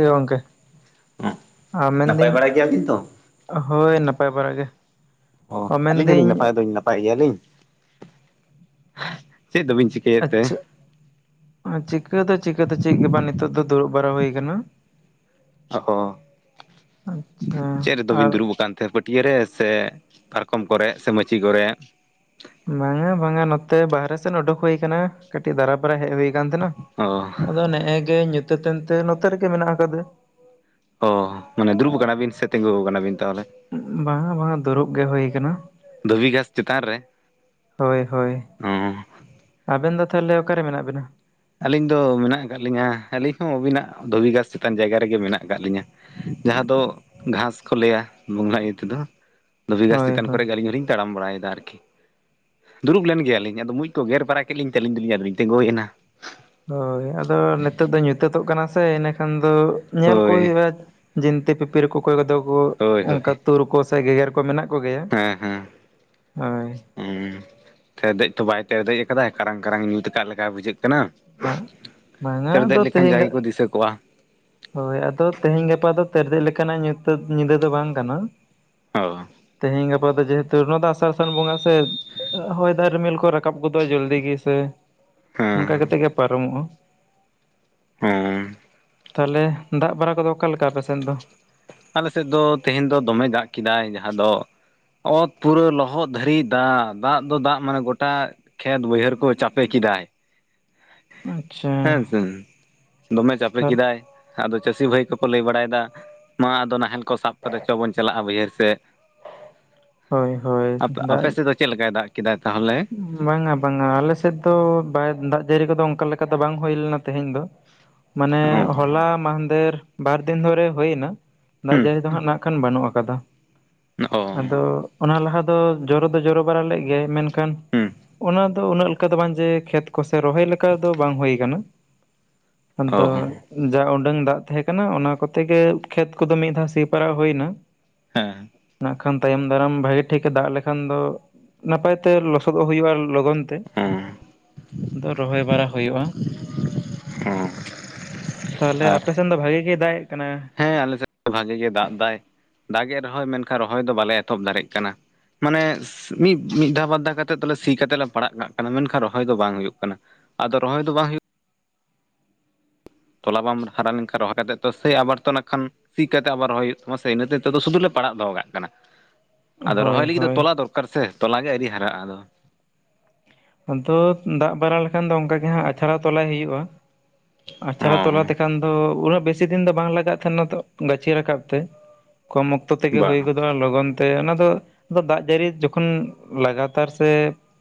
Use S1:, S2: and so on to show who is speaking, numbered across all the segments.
S1: ᱜᱚᱝᱠᱮ
S2: ᱦᱮᱸ
S1: [inaudible] ᱟᱨ
S2: ᱱᱟᱯᱟᱭ
S1: ᱢᱮᱱᱫᱟᱹᱧ
S2: ᱵᱟᱲᱟ ᱜᱮᱭᱟᱵᱤᱱ ᱛᱚ?
S1: ᱦᱳᱭ ᱱᱟᱯᱟᱭ ᱵᱟᱲᱟ ᱜᱮ
S2: ᱚ ᱟᱹᱞᱤᱧ ᱦᱚᱸᱞᱤᱧ
S1: ᱢᱮᱱᱫᱟᱹᱧ
S2: ᱱᱟᱯᱟᱭ ᱫᱚ ᱱᱟᱯᱟᱭ ᱜᱮᱭᱟᱞᱤᱧ ᱪᱮᱫ ᱫᱚᱵᱤᱱ ᱪᱤᱠᱟᱹᱭ
S1: ᱟᱪᱪᱷᱟ ᱾ ᱪᱤᱠᱟᱹ ᱫᱚ ᱪᱤᱠᱟᱹᱛᱮ ᱪᱮᱫ ᱜᱮ ᱵᱟᱝ ᱱᱤᱛᱚᱜ ᱫᱚ ᱫᱩᱲᱩᱵ ᱵᱟᱲᱟ ᱦᱩᱭ ᱟᱠᱟᱱᱟ ᱾
S2: ᱚᱦᱳ
S1: ᱟᱪᱪᱷᱟ
S2: ᱪᱮᱫ ᱨᱮᱫᱚ
S1: ᱟᱨ
S2: ᱵᱤᱱ ᱫᱩᱲᱩᱵ ᱟᱠᱟᱱ ᱯᱟᱹᱴᱭᱟᱹᱨᱮ ᱥᱮ ᱯᱟᱨᱠᱚᱢ ᱠᱚᱨᱮ ᱥᱮ ᱢᱟᱹᱪᱤ ᱠᱚᱨᱮ?
S1: ᱵᱟᱝᱟ ᱵᱟᱝᱟ ᱱᱚᱛᱮ ᱵᱟᱦᱨᱮ ᱥᱮᱫ ᱩᱰᱩᱠ ᱦᱩᱭ ᱟᱠᱟᱱᱟ ᱠᱟᱹᱴᱤᱡ ᱫᱟᱨᱟᱵᱟᱨᱟᱭ ᱦᱮᱡ ᱦᱩᱭ ᱟᱠᱟᱱ ᱛᱟᱦᱮᱸ
S2: ᱚ
S1: ᱟᱫᱚ ᱱᱮᱼᱮᱼᱜᱮ ᱧᱩᱛᱟᱹᱛ ᱮᱱᱛᱮ ᱱᱚᱛᱮ ᱨᱮᱜᱮ ᱢᱮᱱᱟᱜ ᱟᱠᱟᱫᱟ
S2: ᱚ ᱢᱟᱱᱮ ᱫᱩᱲᱩᱵ ᱟᱠᱟᱱᱟ ᱵᱤᱱ ᱥᱮ ᱛᱤᱸᱜᱩ ᱟᱠᱟᱱᱟ ᱵᱤᱱ ᱛᱟᱦᱚᱞᱮ?
S1: ᱵᱟᱝᱟ ᱵᱟᱝᱟ ᱫᱩᱲᱩᱵ ᱜᱮ ᱦᱩᱭ ᱟᱠᱟᱱᱟ᱾
S2: ᱫᱷᱩᱵᱤ ᱜᱷᱟᱥ ᱪᱮᱛᱟᱱ ᱨᱮ᱾
S1: ᱦᱳᱭ ᱦᱳᱭ
S2: ᱚᱸ
S1: ᱟᱵᱮᱱ ᱫᱚ ᱛᱟᱦᱚᱞᱮ ᱚᱠᱟᱨᱮ ᱢᱮᱱᱟᱜ ᱵᱮᱱᱟ?
S2: ᱟᱹᱞᱤᱧ ᱫᱚ ᱢᱮᱱᱟᱜ ᱟᱠᱟᱫ ᱞᱤᱧᱟᱹ ᱟᱹᱞᱤᱧ ᱦᱚᱸ ᱟᱹᱵᱤᱱᱟᱜ ᱫᱷᱩᱵᱤ ᱜᱷᱟᱥ ᱪᱮᱛᱟᱱ ᱡᱟᱭᱜᱟ ᱨᱮᱜᱮ ᱢᱮᱱᱟᱜ ᱟᱠᱟᱫ ᱞᱤᱧᱟᱹ᱾ ᱡᱟᱦᱟᱸ ᱫᱚ ᱜᱷᱟᱥ ᱠᱚ ᱞᱟᱹᱭᱟ ᱵᱚᱸᱜᱟ ᱤᱭᱟᱹ ᱛᱮᱫᱚ ᱫᱷᱩᱵᱤ ᱜᱷᱟᱥ
S1: ᱦᱳᱭ
S2: ᱪᱮᱛᱟᱱ
S1: ᱦᱳᱭ
S2: ᱠᱚᱨᱮ ᱜᱮ ᱟᱞᱤᱧ ᱦᱚ ᱞᱤᱧ ᱛᱟᱲᱟᱢ ᱵᱟᱲᱟᱭᱮᱫᱟ ᱟᱨᱠᱤ᱾ ᱫᱩᱨᱩᱵ ᱞᱮᱱ ᱜᱮᱭᱟᱞᱤᱧ ᱟᱫᱚ ᱢᱩᱡᱽ ᱠᱚ ᱜᱮᱨ ᱵᱟᱨᱟ ᱠᱮᱫ ᱞᱤᱧ ᱛᱮ ᱟᱞᱤᱧ ᱟᱫᱚᱞᱤᱧ ᱛᱤᱸᱜᱩᱭᱮᱱᱟ᱾
S1: ᱦᱳᱭ ᱟᱫᱚ ᱱᱤᱛᱳᱜ ᱫᱚ ᱧᱩᱛᱟᱹᱛᱚᱜ ᱠᱟᱱᱟ ᱥᱮ ᱮᱱᱟᱹᱠᱷᱟᱱ ᱫᱚ ᱧᱮᱞ ᱠᱚ
S2: ᱦᱳᱭ
S1: ᱦᱩᱭᱩᱜᱼᱟ᱾ ᱡᱤᱱᱛᱤ ᱯᱤᱯᱤᱨ ᱠᱚ ᱚᱠᱚᱭ ᱠᱚᱫᱚ ᱠᱚ
S2: ᱦᱳᱭ ᱦᱳᱭ
S1: ᱚᱱᱠᱟ ᱛᱩᱨ ᱠᱚ ᱥᱮ ᱜᱮᱜᱮᱨ ᱠᱚ ᱢᱮᱱᱟᱜ ᱠᱚᱜᱮᱭᱟ
S2: ᱦᱮᱸ ᱦᱮᱸ᱾
S1: ᱦᱳᱭ
S2: ᱦᱮᱸ ᱛᱮᱨᱫᱮᱡ ᱛᱚ ᱵᱟᱭ ᱛᱮᱨᱫᱮᱡ ᱟᱠᱟᱫᱟ᱾ ᱠᱟᱨᱟᱝ ᱠᱟᱨᱟᱝ ᱧᱩᱛ ᱠᱟᱜ ᱞᱮᱠᱟᱭ ᱵᱩᱡᱷᱟᱹᱜ ᱠᱟᱱᱟ᱾
S1: ᱢᱟ ᱵᱟᱝᱟ
S2: ᱛᱮᱨᱫᱮᱡ
S1: ᱟᱫᱚ
S2: ᱞᱮᱠᱷᱟᱱ
S1: ᱛᱮᱦᱮᱧ
S2: ᱡᱟᱭᱜᱟ ᱠᱚ ᱫᱤᱥᱟᱹ ᱠᱚᱜᱼᱟ᱾
S1: ᱦᱳᱭ ᱟᱫᱚ ᱛᱮᱦᱮᱧ ᱜᱟᱯᱟ ᱫᱚ ᱛᱮᱨᱫᱨᱡ ᱞᱮᱠᱟᱱᱟᱜ ᱧᱩᱛᱟᱹᱛ ᱧᱤᱫᱟᱹ ᱫᱚ ᱵᱟᱝ ᱠᱟᱱᱟ᱾
S2: ᱚᱸ
S1: ᱛᱮᱦᱤᱧ ᱜᱟᱯᱟ ᱫᱚ ᱡᱮᱦᱮᱛᱩ ᱱᱚᱣᱟ ᱫᱚ ᱟᱥᱟᱲ ᱥᱟᱱ ᱵᱚᱸᱜᱟ ᱥᱮ ᱦᱚᱭ ᱫᱟᱜ ᱨᱤᱢᱤᱞ ᱠᱚ ᱨᱟᱠᱟᱵ ᱜᱚᱫᱚᱜᱼᱟ ᱡᱚᱞᱫᱤ ᱜᱮ ᱥᱮ ᱚᱱᱠᱟ
S2: ᱦᱮᱸ
S1: ᱠᱟᱛᱮᱜ ᱜᱮ ᱯᱟᱨᱚᱢᱚᱜᱼᱟ᱾
S2: ᱦᱚᱸ
S1: ᱛᱟᱦᱚᱞᱮ ᱫᱟᱜ ᱵᱟᱲᱟ ᱠᱚᱫᱚ ᱚᱠᱟ ᱞᱮᱠᱟ ᱟᱯᱮᱥᱮᱫ ᱫᱚ?
S2: ᱟᱞᱮ ᱥᱮᱫ ᱫᱚ ᱛᱮᱦᱮᱧ ᱫᱚ ᱫᱚᱢᱮ ᱫᱟᱜ ᱠᱮᱫᱟᱭ ᱡᱟᱦᱟᱸ ᱫᱚ ᱚᱛ ᱯᱩᱨᱟᱹ ᱞᱚᱦᱚᱫ ᱫᱷᱟᱨᱤᱡ ᱫᱟᱜ ᱫᱟᱜ ᱫᱚ ᱫᱟᱜ ᱢᱟᱱᱮ ᱜᱚᱴᱟ ᱠᱷᱮᱛ ᱵᱟᱹᱭᱦᱟᱹᱲ ᱠᱚ ᱪᱟᱯᱮ ᱠᱮᱫᱟᱭ᱾
S1: ᱟᱪᱪᱷᱟ
S2: ᱦᱮᱸ ᱦᱮ ᱫᱚᱢᱮ ᱪᱟᱯᱮ
S1: ᱛᱟᱨ
S2: ᱠᱮᱫᱟᱭ᱾ ᱟᱫᱚ ᱪᱟᱹᱥᱤ ᱵᱷᱟᱹᱭ ᱠᱚᱠᱚ ᱞᱟᱹᱭ ᱵᱟᱲᱟᱭᱮᱫᱟ ᱢᱟ ᱟᱫᱚ ᱱᱟᱦᱮᱞ ᱠᱚ ᱥᱟᱵᱽ ᱠᱟᱛᱮᱫ ᱪᱚ ᱵᱚᱱ ᱪᱟᱞᱟᱜᱼᱟ ᱵᱟᱹᱭᱦᱟᱹᱲ ᱥᱮᱫ
S1: ᱦᱳᱭ ᱦᱳᱭ
S2: ᱟᱯᱮ
S1: ᱫᱟᱜ
S2: ᱥᱮᱫ ᱫᱚ ᱪᱮᱫ ᱞᱮᱠᱟᱭ ᱫᱟᱜ ᱠᱮᱫᱟᱭ ᱛᱟᱦᱚᱞᱮ
S1: ᱵᱟᱝᱟ ᱵᱟᱝᱟ ᱟᱞᱮᱥᱮᱫ ᱫᱚ ᱵᱟᱭ ᱫᱟᱜ ᱡᱟᱹᱲᱤ ᱠᱚᱫᱚ ᱚᱱᱠᱟ ᱞᱮᱠᱟ ᱫᱚ ᱵᱟᱝ ᱦᱩᱭ ᱞᱮᱱᱟ ᱛᱮᱦᱮᱧ ᱫᱚ ᱢᱟᱱᱮ
S2: ᱚ
S1: ᱦᱚᱞᱟ ᱢᱟᱦᱫᱷᱮᱨ ᱵᱟᱨ ᱫᱤᱱ ᱫᱷᱚᱨᱮ ᱦᱩᱭᱮᱱᱟ᱾ ᱫᱟᱜᱽ
S2: ᱦᱩᱸ
S1: ᱡᱟᱹᱲᱤ ᱫᱚ ᱦᱟᱸᱜ ᱱᱟᱜ ᱠᱷᱟᱱ ᱵᱟᱹᱱᱩᱜ ᱟᱠᱟᱫᱟ᱾
S2: ᱚᱸ
S1: ᱟᱫᱚ ᱚᱱᱟ ᱞᱟᱦᱟ ᱫᱚ ᱡᱚᱨᱚ ᱫᱚ ᱡᱚᱨᱚ ᱵᱟᱲᱟ ᱞᱮᱫ ᱜᱮᱭᱟᱭ ᱢᱮᱱᱠᱷᱟᱱ
S2: ᱦᱩᱸ
S1: ᱚᱱᱟ ᱫᱚ ᱩᱱᱟᱹᱜ ᱫᱚ ᱵᱟᱝ ᱡᱮ ᱠᱷᱮᱛ ᱠᱚᱥᱮ ᱨᱚᱦᱚᱭ ᱞᱮᱠᱟ ᱫᱚ ᱵᱟᱝ ᱦᱩᱭ ᱟᱠᱟᱱᱟ ᱟᱫᱚ
S2: ᱚ
S1: ᱡᱟ ᱩᱰᱟᱹᱝ ᱫᱟᱜ ᱛᱟᱦᱮᱸ ᱠᱟᱱᱟ ᱚᱱᱟ ᱠᱚᱛᱮ ᱜᱮ ᱠᱷᱮᱛ ᱠᱚᱫᱚ ᱢᱤᱫ ᱫᱷᱟᱣ ᱥᱤ ᱯᱟᱨᱟᱜ ᱦᱩᱭᱱᱟ
S2: ᱦᱮᱸ᱾
S1: ᱠᱷᱟᱱ ᱛᱟᱭᱚᱢ ᱫᱟᱨᱟᱢ ᱵᱷᱟᱜᱤ ᱴᱷᱤᱠᱮ ᱫᱟᱜ ᱞᱮᱠᱷᱟᱱ ᱫᱚ ᱱᱟᱯᱟᱭ ᱛᱮ ᱞᱚᱥᱚᱫᱚᱜ ᱦᱩᱭᱩᱜᱼᱟ ᱞᱚᱜᱚᱱ ᱛᱮ
S2: ᱦᱩᱸ
S1: ᱫᱚ ᱨᱚᱦᱚᱭ ᱵᱟᱲᱟ ᱦᱩᱭᱩᱜᱼᱟ᱾
S2: ᱦᱩᱸ
S1: ᱛᱟᱦᱞᱮ
S2: ᱟᱨ
S1: ᱟᱯᱮ ᱥᱮᱱ ᱫᱚ ᱵᱷᱟᱜᱤ ᱜᱮᱭ ᱫᱟᱜᱮᱜ ᱠᱟᱱᱟ᱾
S2: ᱦᱮᱸ ᱟᱞᱮ ᱥᱮᱫ ᱫᱚ ᱵᱷᱟᱜᱤ ᱜᱮ ᱫᱟᱜ ᱫᱟᱭ᱾ ᱫᱟᱜ ᱮ ᱨᱚᱦᱚᱭ ᱢᱮᱱᱠᱷᱟᱱ ᱨᱚᱦᱚᱭ ᱫᱚ ᱵᱟᱞᱮ ᱮᱛᱚᱦᱚᱵ ᱫᱟᱲᱮᱜ ᱠᱟᱱᱟ᱾ ᱢᱟᱱᱮ ᱢᱤᱫ ᱢᱤᱫ ᱫᱷᱟᱣ ᱵᱟᱨ ᱫᱷᱟᱣ ᱠᱟᱛᱮᱜ ᱥᱤ ᱠᱟᱛᱮᱜ ᱞᱮ ᱯᱟᱲᱟᱜ ᱠᱟᱜ ᱠᱟᱱᱟ ᱢᱮᱱᱠᱷᱟᱱ ᱨᱚᱦᱚᱭ ᱫᱚ ᱵᱟᱝ ᱦᱩᱭᱩᱜ ᱠᱟᱱᱟ᱾ ᱟᱫᱚ ᱨᱚᱦᱚᱭ ᱫᱚ ᱵᱟᱝ ᱦᱩᱭᱩᱜᱼᱟ ᱛᱚᱞᱟ ᱵᱟᱢ ᱦᱟᱨᱟ ᱞᱮᱱᱠᱷᱟᱱ ᱨᱚᱦᱚᱭ ᱠᱟᱛᱮᱫ ᱛᱚ ᱥᱮᱭ ᱟᱵᱟᱨ ᱛᱚ ᱱᱟᱜ ᱠᱷᱟᱱ ᱥᱤ ᱠᱟᱛᱮᱜ ᱟᱵᱟᱨ ᱨᱚᱦᱚᱭ ᱦᱩᱭᱩᱜ ᱛᱟᱢᱟ ᱥᱮ ᱤᱱᱟᱹᱛᱮ ᱱᱤᱛᱚᱜ ᱫᱚ ᱥᱩᱫᱩ ᱞᱮ ᱯᱟᱲᱟᱜ ᱫᱚᱦᱚ ᱠᱟᱜ ᱠᱟᱱᱟ᱾ ᱟᱫᱚ
S1: ᱦᱳᱭ
S2: ᱨᱚᱦᱚᱭ ᱞᱟᱹᱜᱤᱫ ᱫᱚ
S1: ᱦᱳᱭ
S2: ᱛᱚᱞᱟ ᱫᱚᱨᱠᱟᱨ ᱥᱮ ᱛᱚᱞᱟ ᱜᱮ ᱟᱹᱣᱨᱤ ᱦᱟᱨᱟᱜᱼᱟ᱾ ᱟᱫᱚ
S1: ᱟᱫᱚ ᱫᱟᱜ ᱵᱟᱲᱟ ᱞᱮᱠᱷᱟᱱ ᱫᱚ ᱚᱱᱠᱟ ᱜᱮ ᱦᱟᱸᱜ ᱟᱪᱷᱲᱟ ᱛᱚᱞᱟᱭ ᱦᱩᱭᱩᱜᱼᱟ᱾
S2: ᱚ
S1: ᱟᱪᱷᱲᱟ ᱛᱚᱞᱟ ᱛᱮᱠᱷᱟᱱ ᱟᱫᱚ ᱩᱱᱟᱹᱜ ᱵᱮᱥᱤ ᱫᱤᱱ ᱫᱚ ᱵᱟᱝ ᱞᱟᱜᱟᱜ ᱛᱟᱦᱮᱱᱟ ᱛᱚ ᱜᱟᱹᱪᱷᱤ ᱨᱟᱠᱟᱵ ᱛᱮ ᱠᱚᱢ ᱚᱠᱛᱚ
S2: ᱵᱟ
S1: ᱛᱮᱜᱮᱦᱩᱭ ᱜᱚᱫᱚᱜᱼᱟ ᱞᱚᱜᱚᱱ ᱛᱮ ᱚᱱᱟ ᱫᱚ ᱫᱟᱜ ᱡᱟᱹᱲᱤ ᱡᱚᱠᱷᱚᱱ ᱞᱟᱜᱟᱛᱟᱨ ᱥᱮ